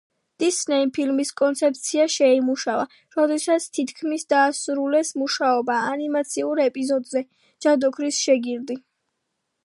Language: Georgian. დისნეიმ ფილმის კონცეფცია შეიმუშავა, როდესაც თითქმის დაასრულეს მუშაობა ანიმაციურ ეპიზოდზე „ჯადოქრის შეგირდი“.